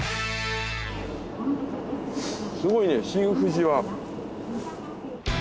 すごいね新富士は。